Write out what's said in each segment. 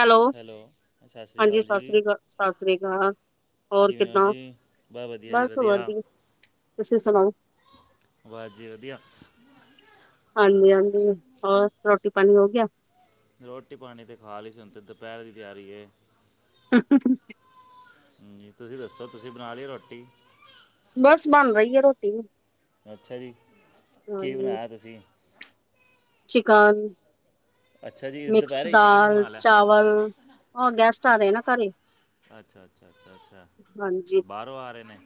Hello ਸਤਿ ਸ਼੍ਰੀ ਹਾਂਜੀ ਅਕਾਲ ਸਤਿ ਸ੍ਰੀ ਜੀ ਅਕਾਲ ਸਤਿ ਸ਼੍ਰੀ ਅਕਾਲ ਹੋਰ ਕਿਵੇਂ ਹੋ ਕਿੱਦਾਂ ਜੀ ਵਧੀਆ ਜੀ ਬਸ ਵਧੀਆ ਵਧਧੀਆ ਤੁਸੀਂ ਸੁਣਾਓ ਬਸ ਜੀ ਵਧੀਆ ਹਾਂਜੀ ਹਾਂਜੀ ਹੋਰ ਰੋਟੀ ਪਾਣੀ ਹੋ ਗਿਆ ਰੋਟੀ ਪਾਣੀ ' ਖਾ ਲਈ ਸੀ ਹ ਤਾਂ ਦੁਪਹਿਰ ਦੀ ਤਿਆਰੀ ਹੈ ਹਾ ਹਾ ਹਾਂ ਜ ਤੁਸੀਂ ਦੱਸੋ ਤੁਸੀਂ ਬਣਾ ਲਈਓ ਰੋਟੀ ਬਸ ਬਣ ਰਹੀ ਹੈ ਰੋਟੀ ਵੀ ਅੱਛਾ ਜੀ ਕੀ ਹਾਂਜੀ ਬਣਾਇਆ ਤੁਸੀਂ ਚਿਕਨ ਅੱਛਾ ਜੀ ਮਿਕਸ ਦੁਪਹਿਰੇ ਹੀ ਚਿਕਨ ਦਾਲ ਬਣਾ ਲਿਆ ਚਾਵਲ ਆਹ ਗੈਸਟ ਆ ਇਹ ਨਾ ਕਰਾਲਲੀ ਅੱਛਾ ਅੱਛਾ ਅੱਛਾ ਅੱਛਾ ਹਾਂਜੀ। ਬਾਹਰੋਂ ਆ ਰਹੇ ਨੇ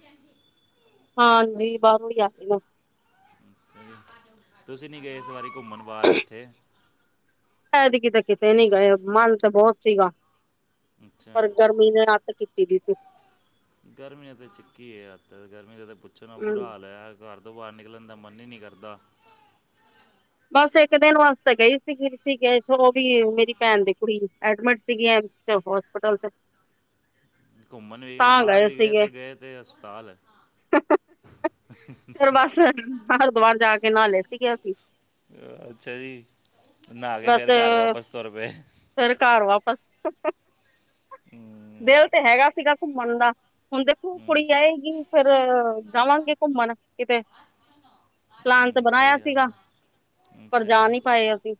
ਹਾਂਜੀ ਬਾਹਰੋਂ ਹੀ ਆਹੇ ਲੋਕ ਤੁਸੀਂ ਨੀ ਗਏ ਇਸ ਵਾਰੀ ਘੁੰਮਣ ਬਾਹਰ ਕਿੱਥੇ ਐਤਕੀ ਤਾਂ ਕਿਤੇ ਕਿਤੇ ਨੀ ਗਏ ਮਨ ਤਾਂ ਬਹੁਤ ਸੀਗਾ ਅੱਛਾ ਪਰ ਗਰਮੀ ਨੇ ਅੱਤ ਕੀਤੀ ਸੀ ਗਰਮੀ ਤਾਂ ਚ ਕੀ ਹੈੱ ਗਰਮੀ ਦਾ ਪੁੱਛਣਾ ਹਮ। ਬੁਰਾ ਹਾਲ ਹੈ ਘਰ ਤੋਂ ਬਾਹਰ ਨਿਕਲਣ ਦਾ ਮਨ ਹੀ ਨਹੀਂ ਕਰਦਾ ਬਸ ਇੱਕ ਦਿਨ ਵਾਸਤੇ ਗਈ ਸੀਗੀ ਸੀਗੇ ਸ ਉਹ ਵੀ ਮੇਰੀ ਭੈਣ ਦੀ ਕੁੜੀ ਐਡਮਿਟ ਸੀਗੀ ਐ ਚ ਹੋਸਪਿਟਲ ਚ ਘੁੰਮਣ ਵੀ ਗਏ ਤਾਂ ਬਾਹਰ ਵੀ ਗਏ ਸੀਗੇ ਤੇ ਗਏ ਤੇ ਹਸਪਤਾਲ ਫਿਰ ਬਸ ਹਰਿਦੁਵਰ ਜਾ ਕੇ ਨਾਲ ਲਿਆ ਸੀਗੇਸੀ ਅੱਛਾ ਜੀ ਨਹਾ ਕੇ ਬਸ ਫੇਰ ਘਰ ਵਾਪਸ ਤੁਰ ਪਏ ਫਿਰ ਘਰ ਵਾਪਸ ਹਮ, ਦਿਲ ਤੇ ਹੈਗਾ ਸੀਗਾ ਘੁੰਮਣ ਦਾ ਹੁਣ ਦੇਖੋ ਹਮ, ਕੁੜੀ ਆਏਗੀ ਫੇਰ ਜਾਵਾਂਗੇ ਘੁੰਮਣ ਕਿਤੇ ਨਾ ਪਲਾਨ ਤਾਂ ਬਣਾਇਆ ਸੀਗਾ ਪਰ ਅੱਛਾ ਜਾ ਜੀ ਨਹੀਂੀ ਪਾਏ ਅਸੀਂ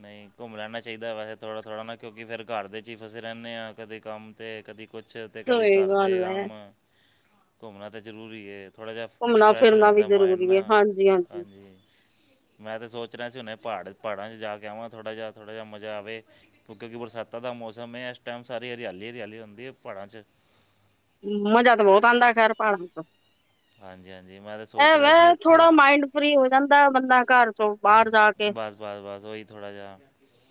ਨਹੀਂ ਘੁੰਮ ਲੈਣਾ ਚਾਹੀਦਾ ਵੈਸੇ ਥੋੜ੍ਹਾ ਥੋੜ੍ਹਾ ਨਾ ਕਿਉਂਕਿ ਫਿਰ ਘਰ ਦੇ 'ਚ ਹੀ ਫਸੇ ਰਹਿੰਦੇ ਹਾਂ ਕਦੇ ਕੰਮ 'ਤੇ ਕਦੀ ਕੁਛ ਤਾਂ ਕਦੇ ਸਹੀ ਕਰਦੇ ਗੱਲ ਹੈ ਕੰਮ ਘੁੰਮਣਾ ਤਾਂ ਜ਼ਰੂਰੀ ਥੋੜ੍ਹਾ ਜਿਹਾ ਘੁੰਮਣਾ ਫਰੈਸ਼ ਹੋ ਫਿਰਨਾ ਵੀ ਜਾਂਦਾ ਮਾਇੰਡ ਨਾ ਜ਼ਰੂਰੀ ਹੈ ਹਾਂਜੀ ਹਾਂਜੀ ਮੈਂ ਤਾਂ ਸੋਚ ਰਿਹਾ ਸੀ ਹੁੇ ਪਹਾੜ ਪਹਾੜਾਂ ਚ ਜਾ ਕੇ ਆਵ ਥੋੜਾ ਥੋੜ੍ਹਾ ਜਿਹਾ ਮਜ਼ਾ ਆਵੇ ਕਿਉ ਕਿਉਂਕਿ ਬਰਸਾਤ ਦਾ ਮੌਸਮ ਹੈ ਇਸ ਟਾਈਮ ਸਾਰੀ ਹਰਿਆਲੀ ਹਰਿਆਲੀ ਹੁੰਦੀ ਹੈ ਪਹਾੜਾਂ ' ਮਜ਼ਾ ਤਾਂ ਬਹੁਤ ਆਉਂਦਾ ਪਹਾੜਾਂ ਚੋਂ ਹਾਂਜੀ ਹਾਂਜੀ ਮੈਂ ਤਾਂ ਸੋਚ ਇਹ ਰਿਹਾ ਵੈ ਸੀ ਇੱਥੇ ਥੋੜਾ ਮਾਈੰਡ ਫਰੀ ਹੋ ਜਾਂਦਾ ਬੰਦਾ ਘਰ ਚੋਂ ਬਾਹਰ ਜਾ ਕੇ ਬਾਰ ਬੱਸ ਹੋਈ ਥੜ੍ਹਾ ਜਿਹਾ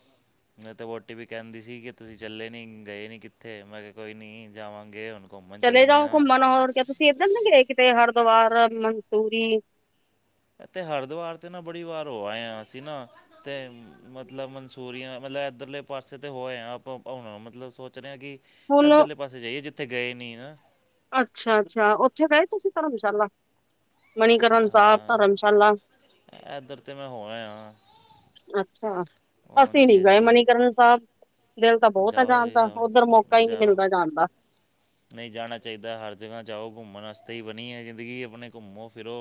[inaudible] ਮੈਂ ਤਾਂ ਵੋਟੀ ਵੀ ਕਹਿੰਦੀ ਸੀ ਕਿ ਤੁਸੀਂ ਚੱਲੇ ਨਹੀਂ ਗਏ ਨਹੀਂ ਕਿੱਥੇ ਮੈਂ ਕਿਹਾ ਕੋਈ ਨਹੀਂ ਜਾਵਾਂਗੇ ਹੁਣ ਘੁੰਮਣ ਚਲੇ ਚੱਲਦੇ ਜਾਓ ਹਾਂ ਘੁੰਮਣ ਹੋਰ ਕ ਤੁਸੀਂ ਇੱਧਰ ਦੇ ਗ ਕਿਤੇ ਹਰਿਦੁਵਰ ਮ ਮੰਸੂਰੀ ਇਥ ਹਰਿਦੁਵਾਰ ਤੇ ਨਾ ਬੜੀ ਵਾਰ ਹੋ ਆਏ ਹ ਅਸੀਂ ਨਾ ਅਤੇ ਮਤਲਬ ਮਨਸੂਰੀਆਂ ਮਤਲਬ ਇੱਧਰਲੇ ਪਾਸੇ ਤਾਂ ਹੋਏ ਹਾਂ ਆਪਾਂ ਹੁਣ ਮਤਲਬ ਸੋਚ ਰਹੇ ਹਾਂ ਕਿ ਹੁਣ ਇੱਧਰਲੇ ਪਾਸੇ ਜਾਈਏ ਜਿੱਥੇ ਗਏ ਨੀ ਨਾ ਅੱਛਾ ਅੱਛਾ ਉੱਥੇ ਗਏ ਤੁਸੀਂ ਧਰਮਸ਼ਾਲਾ ਮਨੀਕਰਨ ਸਾਹਿਬ ਹਾਂ ਧਰਮਸ਼ਾਲਾ ਇੱਧਰ ਤੇ ਮੈਂ ਹੋ ਆਇਆ ਅੱਛਾ ਅਸੀਂ ਨੀ ਹਾਂਜੀ ਗਏ ਹਾਂਜੀ ਮਨੀਕਰਨ ਦਿਲ ਤਾਂ ਬਹੁਤ ਆ ਜਾਓ ਜੀ ਜਾਣਦਾ ਜਾਓ ਉੱਧਰ ਮੌਕਾ ਹੀ ਨਹੀਂ ਜਾਓ ਮਿਲਦਾ ਜਾਣ ਦਾ ਨਹੀਂ ਜਾਣਾ ਚਾਹੀਦਾ ਹਰ ਜਗ੍ਹਾ ਜਾਓ ਘੁੰਮਣ ਵਾਸਤੇ ਹੀ ਬਣੀ ਹੈ ਜ਼ਿੰਦਗੀ ਆਪਣੇ ਘੁੰਮੋ ਫਿਰੋ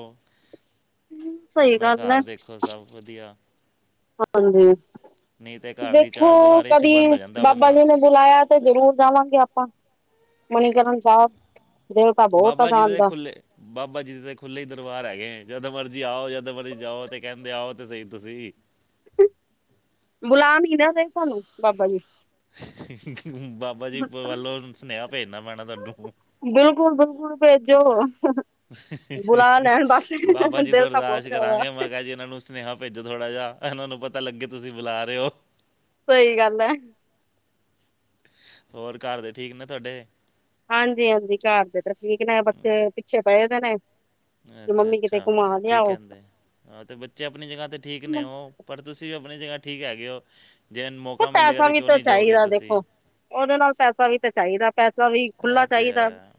ਸਹੀ ਆਪਣਾ ਗੱਲ ਹੈ ਘਰ ਦੇਖੋ ਸਭ ਵਧੀਆ ਹਾਂਜੀ ਨਹੀਂ ਤੇ ਘਰ ਦੀ ਦੇਖੋ ਚਾਰ ਦੀਵਾਰੀ 'ਚ ਕਦੀ ਬੰਦ ਹੋ ਜਾਂਦਾ ਬਾਬਾ ਬੰਦਾ ਜੀ ਨੇ ਬੁਲਾਇਆ ਤੇ ਜ਼ਰੂਰ ਜਾਵਾਂਗੇ ਆਪਾਂ ਮਨੀਕਰਨ ਸਾਹਿਬ ਦੀਲ ਤਾਂ ਬਹੁਤ ਆ ਬਾਬਾ ਜੀ ਦੇ ਜਾਣਦਾ ਖੁੱਲੇ ਬਾਬਾ ਜੀ ਦੇ ਤਾਂ ਖੁੱਲ੍ਹੇ ਹੀ ਦਰਬਾਰ ਹੈਗੇ ਜਦ ਮਰਜੀ ਆਓ ਜਦ ਮਰਜ਼ੀ ਜਾਓ ਤੇ ਕਹਿੰਦੇ ਆਓ ਤੇ ਸਹੀ ਤੁਸੀਂ ਬੁਲੈਨ ਦੇ ਸਾਨੂੰ ਬਾਬਾ ਜੀ ਬਾਬਾ ਜੀ ਵੱਲੋਂ ਸੁਨੇਹਾ ਭੇਜਨਾ ਪੈਣਾ ਤੁਹਾਨੂੰ ਬਿਲਕੁਲ ਬਿਲਕੁਲ ਭੇਜੋ ਬੁਲਾ ਲੈਣ ਬਸ ਬਾਬਾ ਜੀ ਦਿਲ ਤੋਂ ਤਾਂ ਬਹੁਤ ਬਰਦਾਸ਼ ਜ਼ਿਆਦਾ ਕਰਾਂਗੇ ਮੈਂ ਕਿਹਾ ਜੀ ਇਹਨਾਂ ਨੂੰ ਸੁਨੇਹਾ ਭੇਜੋ ਥੋੜਾ ਜਹਾ ਤੁਹਾਨ ਨੂੰ ਪਤਾ ਲੱਗੇ ਤੁਸੀਂ ਬੁਲਾ ਰਹੇ ਹੋ ਸਹੀ ਗੱਲ ਹੈ ਹੋਰ ਘਰ ਦੇ ਠੀਕ ਨੇ ਤੁਹਾਡੇ ਹਾਂਜੀ ਹਾਂਜੀ ਘਰ ਦੇ ਤੇ ਠੀਕ ਨੇ ਹਮ, ਬੱਚੇ ਪਿੱਛੇ ਪਏ ਦੇ ਨੇ ਕਿ ਅੱਛਾ ਮੰਮੀ ਕਿਤੇ ਅੱਛਾ ਘੁਮਾ ਕੀ ਲਿਆਓ ਕਹਿੰਦੇ ਹਾਂ ਅਤੇ ਬੱਚੇ ਆਪਣੀ ਜਗ੍ਹਾ 'ਤੇ ਠੀਕ ਨੇ ਉਹ ਪਰ ਤੁਸੀਂ ਵੀ ਆਪਣੀ ਜਗ੍ਹਾ ਠੀਕ ਹੈਗੇ ਹੋ ਜੇ ਤੇ ਮੌਕਾ ਮਿਲੇਗਾ ਪੈਸਾ ਤਾਂ ਵੀ ਕਿਉਂ ਨਹੀਂ ਜਾਓਗੇ ਚਾਹੀਦਾ ਦੇਖੋ ਤੁਸੀਂ ਉਹਦੇ ਨਾਲ ਪੈਸਾ ਵੀ ਤਾਂ ਚਾਹੀਦਾ ਪੈਸਾ ਵੀ ਖੁਲਾ ਇਹ ਤੇ ਚਾਹੀਦਾ ਹੈ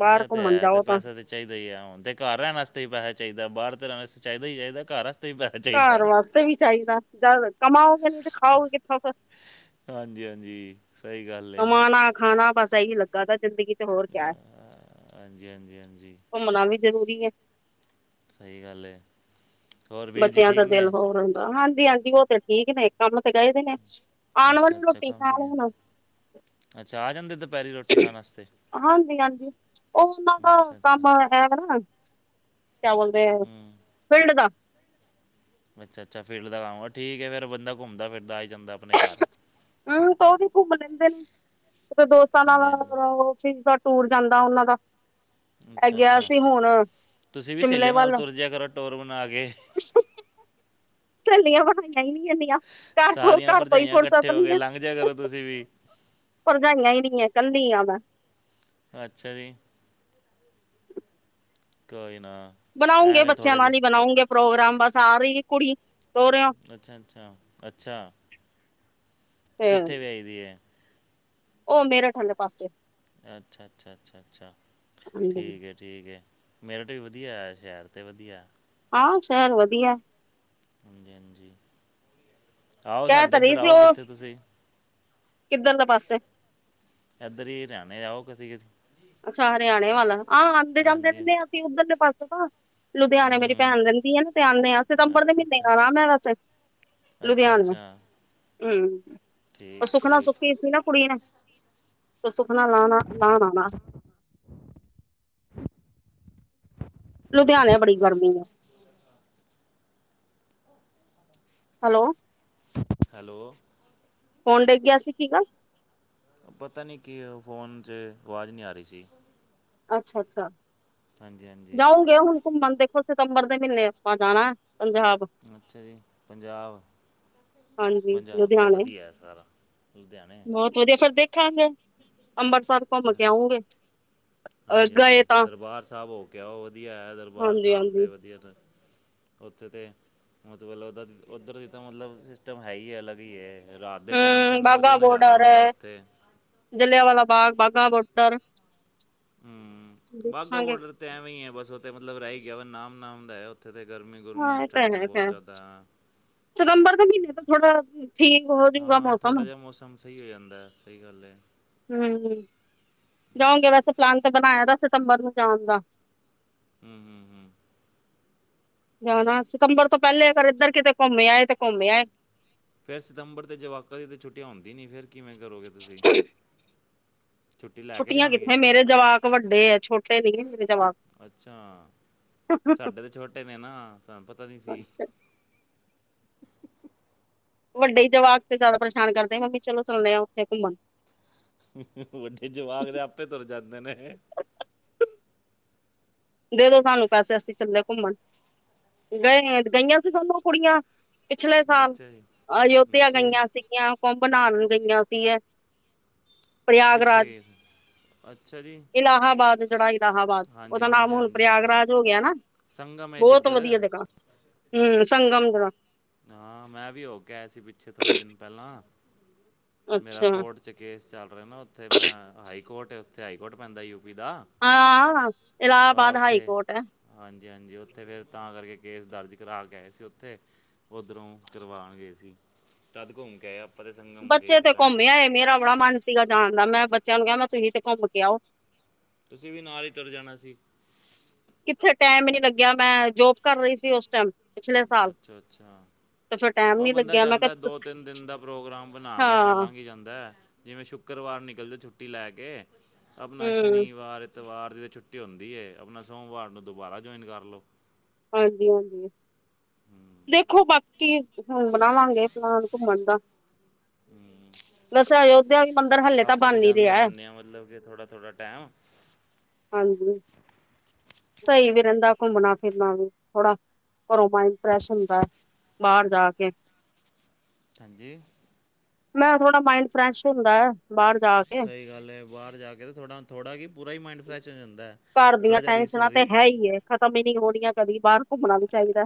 ਬਾਹਰ ਇਹ ਤੇ ਘੁੰਮਣ ਹੈ ਤੇ ਜਾਓ ਤਾਂ ਪੈਸਾ ਤੇ ਚਾਹੀਦਾ ਹੀ ਹੈ ਹੁਣ ਤੇ ਘਰ ਰਹਿ ਵਾਸਤੇ ਪੈਸਾ ਚਾਹੀਦਾ ਬਾਹਰ ਤੇ ਰਹਿਣ ਵਸ ਚਾਹੀਦਾ ਹੀ ਚਾਹੀਦਾ ਘਰ ਵਾਤੇ ਘਰ ਵਾਸਤੇ ਵੀ ਚਾਹੀਦਾ ਜਦ ਕਮਾਓਗੇ ਨੀ ਤੇ ਖਾਓਗੇ ਕਿੱਥੋਂ ਫ ਹਾਂਜੀ ਹਾਂਜੀ ਸਹੀ ਗੱਲ ਏ ਕਮਾਣਾ ਖਾਣਾ ਬਸ ਇਹੀ ਲੱਗਾ ਤ ਜ਼ਿੰਦਗੀ ਚ ਹੋਰ ਅ, ਕਿਆ ਹੈ ਹਾਂਜੀ, ਹਾਂਜੀ, ਹਾਂਜੀ ਘੁੰਮਣਾ ਵੀ ਜ਼ਰੂਰੀ ਹੈ ਸਹੀ ਗੱਲ ਹੈ। ਬੱਚਿਆਂ ਦਾ ਦਿਲ ਹੋਰ ਹੁੰਦਾ ਹਾਂਜੀ ਹਾਂਜੀ ਉਹ ਤੇ ਠੀਕ ਨੇ ਕੰਮ ਤੇ ਕਹਿਦੇ ਨੇ ਆਉਣ ਅੱਛਾ, ਵਾਲੀ ਅੱਛਾ ਰੋਟੀ ਕੰਮ ਖਾ ਤੇ ਰ ਗਏ। ਹੁਣ ਅੱਛਾ ਆ ਜਾਂਦੇ ਦੁਪਹਿਰੀ ਰੋਟੀ ਖਾਣ ਵਾਸਤੇ ਹਾਂਜੀ ਹਾਂਜੀ ਉਹ ਉਹਨਾਂ ਦਾ ਅੱਛਾ ਕੰਮ ਹੈਗਾ ਨਾ ਕਿਆ ਬੋਲਦੇ ਹੂੰ। ਫਿਲਡ ਦਾ ਅੱਛਾ ਅੱਛਾ ਫੀਲਡ ਦਾ ਕੰਮ ਆ ਠੀਕ ਫਿਰ ਬੰਦਾ ਘੁੰਮਦਾ ਫਿਰਦਾ ਆ ਜਾਂਦਾ ਆਪਣੇ ਘਰ। ਹਮ ਤਾਂ ਉਹਦੀ ਘੁੰਮ ਲੈਂਦੇ ਨੇ ਤੇ ਦੋਸਤਾਂ ਦਾ ਹਾਂਜੀ, ਹਾਂਜੀ ਉਹ ਫੀ ਟੂਰ ਜਾਂਦਾ ਉਹਨਾਂ ਦਾ ਇਹ ਅੱਛਾ ਗਿਆ ਅੱਛਾ ਸੀ ਹੁਣ ਤੁਸੀਂ ਵੀ ਸ਼ਿਮਲੇ ਸਹੇਲੀਆਂ ਨਾਲ ਵੱਲ ਤੁਰ ਜਿਆ ਕਰੋ ਟੋਰ ਬਣਾ ਕੇ ਝੱਲੀਆਂ ਬਣਿਆ ਹੀ ਨ ਹੈ ਘਰ ਤੋਂ ਸਾਰੀਆਂ ਘਰ ਤੋਂ ਹੀ ਭਰਜਾਈਆਂ ਫੜ ਇਕੱਠੇ ਹੋ ਸਕਦੀ ਕੇ ਹੈ ਲੰਘ ਜਿਆ ਕਰੋ ਤੁਸੀਂ ਵੀ। ਭਰਜਾਈਆਂ ਹੀ ਨਹੀਂ ਹੈ ਕੱਲੀ ਆ ਮੈਂ ਅੱਛਾ ਜੀ ਕੋਈ ਨਾ ਬਣਾਉਂਗੇ ਐਵੇਂ ਬੱਚਿਆਂ ਥੋੜ੍ਹੇ ਜੀ ਨਾਲ ਹੀ ਬਣਾਉਗੇ ਪ੍ਰੋਗਰਾਮ ਬਸ ਆ ਰਹੀ ਕੁੜੀ ਸੋਹਰਿਓ ਅੱਛਾ ਅੱਛਾ ਅੱਛਾ ਤੇ ਕਿੱਥੇ ਵਿਆਈ ਦੀ ਹੈ ਉਹ ਮੇਰਾ ਠੇ ਪਾਸੇ ਅੱਛਾ ਅੱਛਾ ਅੱਛਾ ਅੱਛਾ ਠੀਕ ਹੈ ਠੀਕ ਹੈ ਮੇਰੇਟ ਵੀ ਵਧੀਆ ਸ਼ਹਿਰ 'ਤੇ ਵਧੀਆ ਹਾਂ ਸ਼ਹਿਰ ਵਧੀਆ ਹਾਂਜੀ ਹਾਂਜੀ ਆਓ ਕਹਿ ਸਾਡੇ ਤਾਂ ਇੱਧਰ ਰਹੀ ਸੀ ਆਓ ਉਹ ਕਿੱਥੇ ਤੁਸੀਂ ਕਿੱਧਰਲੇ ਪਾਸੇ ਇੱਧਰ ਹੀ ਹਰਿਆਣੇ ਆਓ ਕਿਸੀ ਕਿ ਅੱਛਾ ਹਰਿਆਣੇ ਵੱਲ ਆਹ ਆਉਂਦੇ ਜਾਂਦੇ ਹਾਂਜੀ ਰਹਦੇ ਹ ਅਸੀਂ ਉੱਧਰਲੇ ਪਾਸੇ ਤਾਂ ਲੁਧਿਆਣੇ ਹੂੰ ਮੇਰੀ ਹੂੰ ਭੈਣ ਰਹਿੰਦੀ ਆ ਨਾ ਤੇ ਆਉਂਦੇ ਆ ਸਤੰਬਰ ਦੇ ਅੱਛਾ ਮਹੀਨੇ ਅੱਛਾ ਆਉਣਾ ਮੈਂ ਵੈਸੇ ਅੱਛਾ ਲੁਧਿਆਣਾ ਅੱਛਾ ਹਮ ਉਹ ਠੀਕ ਸੁਖਨਾ ਠੀਕ ਸੁਖੀ ਸੀ ਨਾ ਕੁੜੀ ਨੇ ਤੇ ਸੁਖਨਾ ਲਾਹਣਾ ਲਾਹਣ ਆਉਣਾ ਲੁਧਿਆਣੇ ਬੜੀ ਗਰਮੀ ਆ ਹੈਲੋ ਹੈਲੋ ਫੋਨ ਡਗ ਗਿਆ ਸੀ ਕੀਕ ਪਤਾ ਨਹੀਂ ਕੀ ਉਹ ਫੋਨ ਚ ਆਵਾਜ਼ ਨਹੀਂ ਆ ਰਹੀ ਸੀ ਅੱਛਾ ਅੱਛਾ ਹਾਂਜੀ ਹਾਂਜੀ ਜਾਊਗੇ ਹੁਣ ਘੁੰਮਣ ਦੇਖੋ ਸਤੰਬਰ ਦੇ ਮਹੀਨੇ ਆਪਾਂ ਜਾਣਾ ਪੰਜਾਬ ਅੱਛਾ ਜੀ ਪੰਜਾਬ ਹਾਂਜੀ ਪੰਜਾਬ ਤੇ ਲੁਧਿਆਣੇ ਵਧੀਆ ਹੈ ਸਾਰਾ ਲੁਧਿਆਣੇ ਬਹੁਤ ਵਧੀਆ ਫਿਰ ਦੇਖਾਂਗੇ ਅੰਮ੍ਰਿਤਸਰ ਘੁੰਮ ਕੇ ਆਉਂਗੇ ਅ ਹਾਂਜੀ ਗਏ ਹਾਂਜੀ ਤਾਂ ਦਰਬਾਰ ਸਾਹਿਬ ਹੋ ਕੇ ਉਹ ਵਧੀਆ ਹੈ ਦਰਬਾਰ ਹਾਂਜੀ ਸਾਹਿਬ ਹਾਂਜੀ 'ਤੇ ਵਧੀਆ ਉੱਥੇ ਤਾਂ ਮਤਲਬ ਉੱਧਰ ਉੱਧਰ ਦੀ ਤਾਂ ਮਤਲਬ ਸਿਸਟਮ ਹੈ ਹੀ ਹੈ ਅਲੱਗ ਹੀ ਹੈ ਰਾਤ ਦੇ ਟਾਈਮ ਤੇ ਹਮ ਇੰਨਾ ਵਧੀਆ ਬਾਘਾ ਨਜ਼ਾਰਾ ਬੋਡਰ ਹੁੰਦਾ ਹੈ ਉੱਥੇ ਜਲਿਆਂਵਾਲਾ ਬਾਗ ਬਾਘਾਂ ਬੋਟਰ ਹਮ ਵਾਹਗਾ ਬੋਰਡਰ ਤੇ ਐਵੇਂ ਹੀ ਹੈ ਬਸ ਉਥੇ ਮਤਲਬ ਰਹਿ ਹੀ ਗਿਆ ਵਾ ਨਾਮ ਨਾਮ ਦਾ ਉੱਥੇ ਤਾਂ ਗਰਮੀ ਗੁਰਮੀ ਹਾਂ ਇਸ ਇਹ ਤਾਂ ਟਾਈਮ 'ਤੇ ਹੈ ਬਹੁਤ ਖੈਰ ਜ਼ਿਆਦਾ ਸਤੰਬਰ ਦੇ ਮਹੀਨੇ ਤਾਂ ਥੋੜਾ ਠੀਕ ਹੋਜੂਗਾ ਹਾਂ ਮੌਸਮ ਥੋੜਾ ਜਿਹਾ ਸਹੀ ਹੋ ਜਾਂਦਾ ਸਹੀ ਗੱਲ ਹੈ ਹਮ ਹਮ, ਜਾਓਗੇ ਜੀ ਵੈਸੇ ਪਲਾਨ ਤਾਂ ਬਣਾਇਆ ਦਾ ਸਤੰਬਰ ਨੂੰ ਜਾਣ ਦਾ ਹਮ ਹਮ ਜਾਣਾ ਸਿਕੰਬਰ ਤੋਂ ਪਹਿਲੇ ਅਗਰ ਇੱਧਰ ਕਿਤੇ ਘੁੰਮੇ ਆਏ ਤੇ ਘੁੰਮ ਆਏ ਫੇਿਰ ਸਤੰਬਰ ਤੇ ਜਵਾਕਾ ਦੀ ਤਾਂ ਛੁੱਟਟੀ ਆਉਂਦੀ ਨਹੀਂ ਫਿਰ ਕਿਵੇਂ ਕਰੋਗੇ ਤੁਸੀਂ ਛੁੱਟੀ ਲੈ ਕੇ ਛੁੱਟੀਆਂ ਜਾਣਗੇ ਕਿੱਥੇ ਮੇਰੇ ਜਵਾਕ ਵੱਡੇ ਹੈ ਛੋਟੇ ਨਹੀਂ ਮੇਰੇ ਜਵਾਕ ਅੱਛਾ ਸਾਡੇ ਤਾਂ ਛੋਟੇ ਨੇ ਨਾ ਸਾਨੂੰ ਪਤਾ ਨੀ ਸੀ, ਅੱਛਾ, ਵੱਡੇ ਜਵਾਕ ਤੇ ਜ਼ਿਆਦਾ ਪਰੇਸ਼ਾਨ ਕਰਦੇ ਮੰਮੀ ਚਲੋ ਚੱਲਦੇ ਆ ਉੱਥੇ ਘੁੰਮਣ ਵੱਡੇ ਜਵਾਕ ਦੇ ਆਪੇ ਤੁਰ ਜਾਂਦੇ ਨੇ ਦੇ ਦੋ ਸਾਨੂੰ ਪੈਸੇ ਅਸੀਂ ਚੱਲੇ ਘੁੰਮਣ ਗਏ ਗਈਆਂ ਸੀ ਦੋਨੋ ਕੁੜੀਆਂ ਪਿਛਲੇ ਸਾਲ ਅੱਛਾ ਜੀ, ਅਯੋਧਿਆ ਅੱਛਾ ਜੀ, ਗਈਆਂ ਸੀਗੀਆਂ ਕੁੰਭਨਾਰਨ ਗਈਆਂ ਸੀੀਆਂ, ਕਿੱਥੇ ਪ੍ਰਯਾਗਰਾਜ ਗਏ ਸੀ? ਅੱਛਾ ਜੀ, ਇਲਾਹਾਬਾਦ ਜਿਹੜਾ ਹਾਂਜੀ, ਦਾ ਨਾਮ ਹਾਂਜੀ, ਹੁਣ ਹਾਂਜੀ, ਹਾਂਜੀ। ਪ੍ਰਯਾਗਰਾਜ ਹੋ ਗਿਆ ਨਾ ਸੰਗਮ ਏ ਬਹੁਤ ਜਿੱਧਰ, ਵਧੀਆ ਜਗ੍ਹਾ ਹਮ ਸੰਗਮ ਜਗਾ ਹਾਂ ਮੈਂ ਵੀ ਹੋ ਗਿਆ ਸੀ ਪਿੱਛੇ ਥੋੜੇ ਦਿਨ ਪਹਿਲਾਂ ਮੇਰਾ ਅੱਛਾ ਕੋਰਟ 'ਚ ਕੇਸ ਚੱਲ ਰਿਹਾ ਨਾ ਉੱਥੇ ਮੈਂ ਹਾਈ ਕੋਰਟ ਉੱਥੇ ਹਾਈ ਕੋਰਟ ਪੈਂਦਾ ਯੂਪੀ ਦਾ ਆਾਂ ਆ ਇਲਾਹਾਬਾਦ ਹਾਈ ਉੱਥੇ ਕੋੋਟ ਹਾਂਜੀ ਹਾਂਜੀ ਉੱਥੇ ਫੇਿਰ ਤਾਂ ਕਰਕੇ ਕੇਸ ਦਰਜ ਕਰਾ ਕੇ ਆਏ ਸੀ ਉੱਥੇ ਉਧਰੋਂ ਕਰਵਾਉਣ ਗਏ ਸੀ ਜਦ ਘੁੰਮ ਕੇ ਆਏ ਆਪਾਂ ਤੇ ਸੰਗਮ ਗਏ ਸੀ ਤਾਂ ਹੀ ਘੁੰਮਿਆ ਕਰਕੇ, ਹੈ ਮੇਰਾ ਬੜਾ ਮਨ ਸੀਗਾ ਜਾਣ ਦਾ ਮੈਂ ਬੱਚਿਆਂ ਨੂੰ ਕਿਹਾ ਮੈਂ ਤੁਸੀਂ ਤੇ ਘੁੰਮ ਕੇ ਆਓ ਤੁਸੀਂ ਵੀ ਨਾਲ ਹੀ ਤੁਰ ਜਾਣਾ ਸੀ ਕਿੱਥੇ ਟਾਈਮ ਨੀ ਲੱਗਿਆ ਮੈਂ ਜੋਬ ਕਰ ਰਹੀ ਸੀ ਉਸ ਟਾਈਮ ਪਿਛਲੇ ਸਾਲ ਅੱਛਾ ਅੱਛਾ ਤੇ ਫਿਰ ਟਾਈਮ ਉਹ ਨੀ ਬੰਦਾ ਲੱਗਿਆ ਮੈਂ ਜਾਂਦਾ ਦੋ ਕਿਹਾ ਤਿੰਨ ਦਿਨ ਦਾ ਪ੍ਰੋਗਰਾਮ ਬਣਾ ਕੇ ਆਪਣਾ ਹਾਂ ਲੰਘ ਹੀ ਜਾਂਦਾ ਹੈ ਜਿਵੇਂ ਸ਼ੁੱਕਰਵਾਰ ਨਿਕਲ ਜਾਓ ਛੁੱਟੀ ਲੈ ਕੇ ਆਪ ਆਪਣਾ ਹੂੰ ਸ਼ਨੀਵਾਰ ਐਤਵਾਰ ਦੀ ਤਾਂ ਛੁੱਟੀ ਹੁੰਦੀ ਹੈ, ਆਪਣਾ ਸੋਮਵਾਰ ਨੂੰ ਦੁਬਾਰਾ ਜੁਆਇਨ ਕਰ ਲਉ ਹਾਂਜੀ ਹਾਂਜੀ ਹੂੰ ਦੇਖੋ ਬਾਕੀ ਹੁਣ ਬਣਾਵਾਂਗੇ ਪਲਾਨ ਘੁੰਮਣ ਦਾ ਹੂੰ ਵੈਸੇ ਅਯੋਧਿਆ ਵੀ ਮੰਦਿਰ ਹਲੇੇ ਤਾਂ ਆਪਾਂ ਬਣ ਹੀ ਜਾਂਦੇ ਰਿਹਾ, ਰਹਿੰਦੇ ਹਾਂ ਮਤਲਬ ਕਿ ਥੋੜ੍ਹਾ ਥੋੜ੍ਹਾ ਟਾਈਮ ਹੱਲਜੀ ਸਹੀ ਵੀ ਰਹਿੰਦਾ ਘੁੰਮਣਾ ਫਿਰਨਾ ਵੀ ਥੋੜਾ ਘਰੋਂ ਮਾਈੰਡ ਫਰੈਸ਼ ਹੁੰਦਾ ਹੈ ਬਾਹਰ ਜਾ ਕੇ ਹਾਂਜੀ ਮੈਂ ਥੋੜਾ ਮਾਇੰਡ ਫਰੈਸ਼ ਹੁੰਦਾ ਹੈ ਬਾਹਰ ਜਾ ਕੇ ਸਹੀ ਗੱਲ ਹੈ ਬਾਹਰ ਜਾ ਕੇ ਥੋੜ੍ਹਾ ਥੋੜ੍ਹਾ ਵੀ ਪੂਰਾ ਹੀ ਮਾਇਾਈੰਡ ਫਰੈਸ਼ ਹੋ ਜਾਂਦਾ ਹੈ ਘਰ ਦੀਆਂ ਥੋੜ੍ਹਾ ਜਿਹਾ ਰੀਸ ਟੈਨਸ਼ਨਾਂ ਤੇ ਰੀ ਹੈ ਹੀ ਏ ਖਤਮ ਹੀ ਨਹੀਂੀ ਹੋ ਰਆਂ ਕਦੀ ਬਾਹਰ ਘੁੰਮਣਾ ਵੀ ਚਾਹੀਦਾ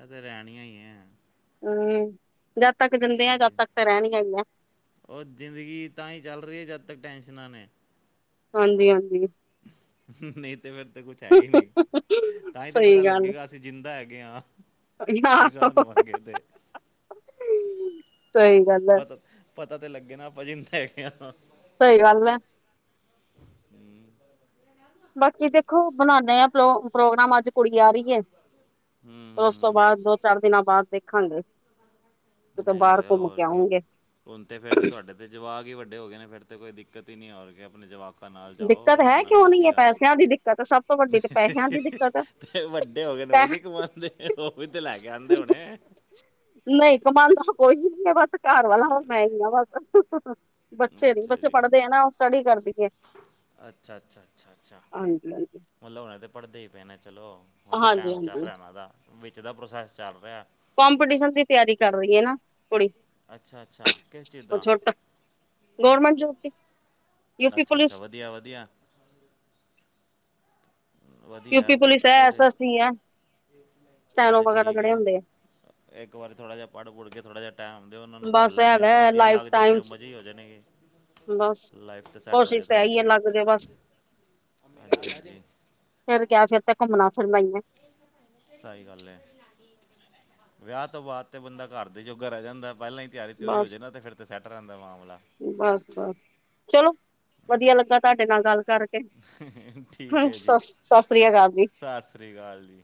ਇਹ ਤੇ ਰਹਿਣੀਆਂ ਹੀ ਹੈ ਹਮ ਜਦ ਤੱਕ ਜਾਂਦੇ ਆ ਜਦ ਹਾਂਜੀ ਤੱਕ ਤਾਂ ਰਹਿਣੀਆਂਈ ਆ ਉਹ ਜ਼ਿੰਦਗੀ ਤਾਂ ਹੀ ਚੱਲ ਰਹੀ ਹੈ ਜਦ ਤੱਕ ਟੈਨਸ਼ਨਾਂ ਨੇ ਹਾਂਜੀ ਹਾਂਜੀ ਨਹੀਂ ਤੇ ਫੇਿਰ ਤਾਂ ਕੁੱਛ ਹੈ ਹੀ ਨਹੀਂ ਤਾਂ ਹੀ ਤੇ ਸਹੀ ਪਤਾ ਗੱਲ ਲੱਗੇਗਾ ਅਸੀਂ ਜਿੰਦਾ ਹੈਗੇ ਹਾਂ ਪਰੇਸ਼ਾਨ ਹੋਵਾਂਗੇ ਤੇ, ਸਹੀ ਗੱਲ ਹੈ ਪਤਾ ਪਤਾ ਤੇ ਲੱਗੇ ਨਾ ਆਪਾਂ ਜਿੰਦਾ ਹੈਗੇ ਸਹੀ ਗੱਲ ਹੈੈਂ ਹਮ ਬਾਕੀ ਦੇਖੋ ਬਨਾਉਦੇ ਹ ਪ੍ਰੋ ਪ੍ਰੋਗਰਾਮ ਅੱਜ ਕੁੜੀ ਆ ਰਹੀ ਹੈਓੱ, ਹੂੰ ਹੂੰ ਉਸ ਤੋਂ ਬਾਅਦ ਹੂੰ। ਦੋ ਚਾਰ ਦਿਨਾਂ ਬਾਅਦ ਦੇਖਾਂਗੇ ਕਿਤੇ ਨਹੀਂ ਬਾਹਰ ਹੋਇਆ ਘੁੰਮ ਕੇ ਹੋਰ ਕੀ ਆਉਂਗੇ ਹੁਣ ਤੇ ਫੇਿਰਦੇ ਤੁਹਾਡੇ ਤੇ ਜਵਾਕ ਹੀ ਵੱਡੇ ਹੋ ਗਏ ਨੇ ਫਿਰ ਤੇ ਕੋਈ ਦਿੱਕਤ ਹੀ ਨਹੀਂੀ ਆ ਰਹੀ ਆਪਣੇ ਜਵਾਕ ਆਪਾਂ ਨਾਲ ਜਾਓ ਦਿੱਕਤ ਆਰਾਮ ਹੈ ਨਾਲ ਕਿਉਂ ਨੀ ਹੈ ਵਧੀਆ। ਪੈਸਿਆਂ ਦੀ ਦਿੱਕਤ ਹੈ ਸਭ ਤੋਂ ਵੱਡੀ ਤੇ ਪੈਸਿਆਂ ਦੀ ਦਿੱਕਤ ਹੈ ਤੇ ਵੱਡੇ ਹੋ ਗਏ ਨੇ ਪੈ ਉਹ ਨੀ ਕਮਾਉਂਦੇ ਉਹ ਵੀ ਤੇ ਲੈ ਕੇ ਆਉਂਦੇ ਹੋਣੇ ਨਹੀਂ ਕਮਾਉਂਦਾ ਕੋਈ ਨੀ ਹੈ ਬਸ ਘਰ ਵਾਲਾ ਹੁਣ ਮੈਂ ਹੀ ਆ ਬਸ ਬੱਚੇ ਨੀ ਅੱਛਾ ਬੱਚੇ ਜੀ ਪੜ੍ਹਦੇ ਆ ਨਾ ਉਹ ਸਟੱਡੀ ਕਰਦੀਏ ਅੱਛਾ ਅੱਛਾ ਅੱਛਾ ਅੱਛਾ ਹਾਂਜੀ ਹਾਂਜੀ ਮਤਲਬ ਹੁਣੇ ਤਾਂ ਪੜ੍ਹਦੇ ਹੀ ਪਏ ਨੇ ਚਲੋ ਹੁਣ ਤਾਂ ਹਾਂਜੀ ਟਾਈਮ ਚੱਲ ਹਾਂਜੀ ਰਿਹਾ ਇਹਨਾਂ ਦਾ ਵਿੱਚ ਦਾ ਪ੍ਰੋਸੈਸ ਚੱਲ ਰਿਹਾ ਕੰਪੀਟੀਸ਼ਨ ਦੀ ਤਿਆਰੀ ਕਰ ਰਹੀ ਹੈ ਨਾ ਕੁੜੀ ਅੱਛਾ ਅੱਛਾ ਕਿਸ ਚੀਜ਼ ਉਹ ਦਾ ਛੋਟ ਗੌਰਮੈਂਟ ਜੋਬ ਤੇ ਅੱਛਾ ਅੱਛਾ ਵਧੀਆ ਵਧੀਆ ਵਧੀਆ ਯੂਪੀ ਪੁਲਿਸ ਹੈ ਤੇ ਐਸ ਤੇ ਐਸ ਸੀ ਹੈ ਇਹ ਸਟੈਨੋ ਤੇ ਵਗੈਰਾ ਠੀਕ ਜਿਹੜੇ ਹੈ ਹੁੰਦੇ ਆ ਇੱਕ ਵਾਰੀ ਥੜ੍ਹਾ ਜਿਹਾੜ੍ਹ ਪੁੜ ਕੇ ਥੋ੍ਹਾ ਜਿਹਾ ਟਾਈਮ ਦਿਓ ਉਹਨਾਂ ਨੂੰ ਪੜ੍ਹ ਬਸ ਲੈਂਦੇ ਆ ਤੇ ਹੈਗਾ ਵਧੀਆ ਲਾਈਫ ਲੱਗਣ ਟਾਈਮ ਤੇ ਮਜ਼ੇ ਹੋ ਜਾਣੇਗੇ ਬਸ ਲਾਈਫ ਤੇ ਸੈਟ ਹੋ ਜਾੇ ਕੋਸ਼ਿਸ਼ ਤਾਂ ਥੋੜੀ ਇਹੀ ਹੈ ਜਿ ਲੱਗ ਜੇ ਬਸ ਹਜੀ ਹਾਂਜੀ ਫੇਰ ਕ ਫਿਰ ਤੇ ਘੁੰਮਣਾ ਫਿਰ ਮੈਂ ਸਹੀ ਗੱਲ ਹੈ ਵਿਆਹ ਤੋਂ ਬਾਅਦ ਤੇ ਬੰਦਾ ਘਰ ਦੇ ਜੋਗਰਹਿ ਜਾਂਦਾ ਪਹਿਲਾਂ ਹੀ ਤਿਆਰੀ ਤਉਰੀ ਹੋ ਜਾੇ ਨਾ ਤੇ ਫਿਰ ਤੇ ਸੈੱਟ ਰਹਿੰਦਾ ਮਾਮਲਾ ਬਸ ਬਸ ਚਲੋ ਵਧੀਆ ਲੱਗਾ ਤੁਹਾਡੇ ਨਾਲ ਗੱਲ ਕਰ ਠੀਕ ਹਾਂ ਸ ਸਤਿ ਸ੍ਰੀ ਅਕਾਲ ਜੀ ਸ਼੍ਰੀ ਅਕਾਲ ਜੀ